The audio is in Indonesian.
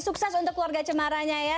sukses untuk keluarga cemaranya ya